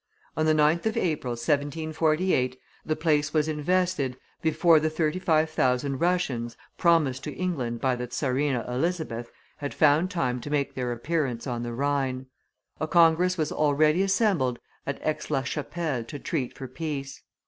On the 9th of April, 1748, the place was invested, before the thirty five thousand Russians, promised to England by the Czarina Elizabeth, had found time to make their appearance on the Rhine. A congress was already assembled at Aix la Chapelle to treat for peace.